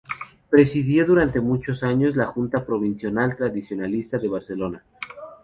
Presidió durante muchos años la Junta Provincial Tradicionalista de Barcelona.